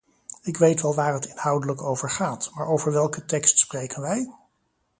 Ik weet wel waar het inhoudelijk over gaat, maar over welke tekst spreken wij?